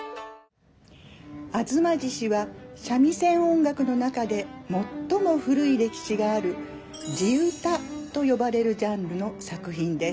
「吾妻獅子」は三味線音楽の中で最も古い歴史がある地唄と呼ばれるジャンルの作品です。